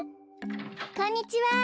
こんにちは！